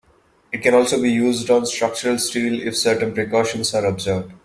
It can also be used on structural steel if certain precautions are observed.